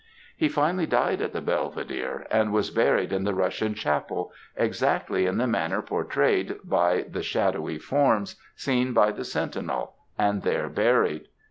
He finally died at the Belvedere, and was buried in the Russian chapel, exactly in the manner pourtrayed by the shadowy forms seen by the sentinel, and there buried."